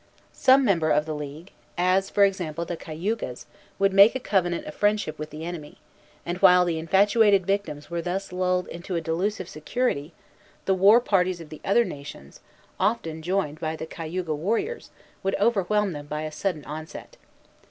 Some member of the league, as, for example, the Cayugas, would make a covenant of friendship with the enemy, and, while the infatuated victims were thus lulled into a delusive security, the war parties of the other nations, often joined by the Cayuga warriors, would overwhelm them by a sudden onset.